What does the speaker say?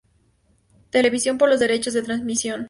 Television por los derechos de transmisión.